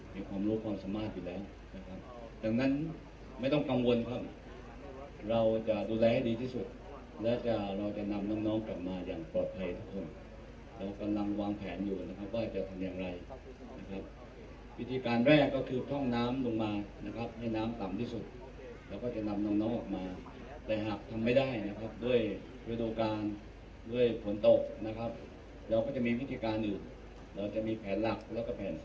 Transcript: มีความรู้ความสมาธิอยู่แล้วนะครับจากนั้นไม่ต้องกังวลครับเราจะดูแลให้ดีที่สุดแล้วจะเราจะนำน้องน้องกลับมาอย่างปลอดภัยทุกคนเรากำลังวางแผนอยู่นะครับว่าจะทำอย่างไรนะครับวิธีการแรกก็คือท่องน้ำลงมานะครับให้น้ำต่ำที่สุดเราก็จะนำน้องน้องออกมาแต่หากทำไม่ได้นะครับด้วยเวลาการด้วยผลตกนะครั